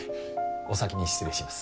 お先に失礼します。